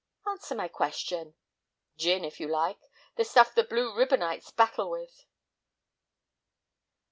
"Answer my question." "Gin, if you like; the stuff the blue ribbonites battle with."